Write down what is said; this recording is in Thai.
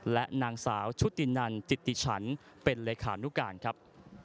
และนางสาวชุตินันจิตติฉันเป็นเลขานุการครับ